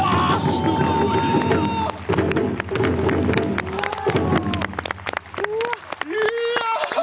すごい！